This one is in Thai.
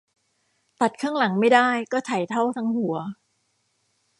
ตัดข้างหลังไม่ได้ก็ไถเท่าทั้งหัว